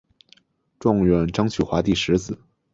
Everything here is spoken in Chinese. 状元张去华第十子。